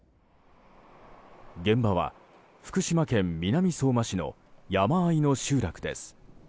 現場は福島県南相馬市の山あいの集落です。